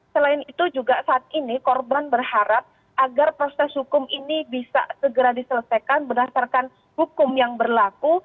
selain itu juga saat ini korban berharap agar proses hukum ini bisa segera diselesaikan berdasarkan hukum yang berlaku